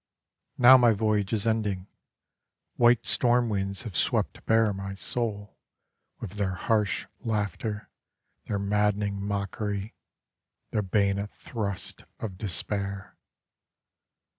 Now my voyage is ending, White storm winds have swept bare my soul; With their harsh laughter, Their maddening mockery, Their bayonet thrusts of despair.